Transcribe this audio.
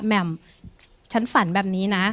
แหม่มฉันฝันแบบนี้นะ